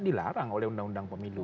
dilarang oleh undang undang pemilu